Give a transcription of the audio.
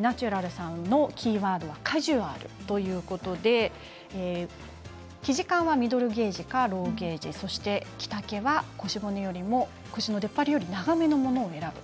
ナチュラルさんのキーワードはカジュアルということで生地感はミドルゲージかローゲージそして着丈は腰骨よりも腰の出っ張りよりも長めのものを選ぶ。